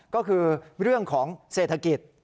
ก็คือเรื่องของเศรษฐกิจ